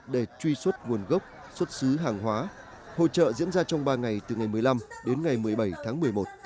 để truy xuất nguồn gốc xuất xứ hàng hóa hỗ trợ diễn ra trong ba ngày từ ngày một mươi năm đến ngày một mươi bảy tháng một mươi một